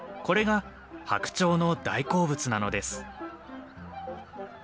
これがハクチョウの大好物なのです。